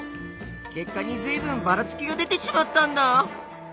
結果にずいぶんばらつきが出てしまったんだ！